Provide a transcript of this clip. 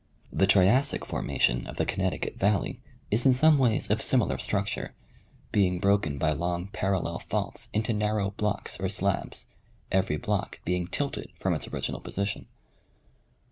The Triassic formation of the Connecticut va'lley is in some ways of similar structure, being broken by long parallel faults into narrow blocks or slabs, every block being tilted from its original position.